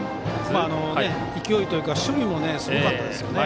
勢いというか守備もすごかったですよね。